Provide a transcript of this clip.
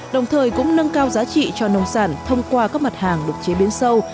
đồng thời cũng nâng cao giá trị cho nông sản thông qua các mặt hàng được chế biến sâu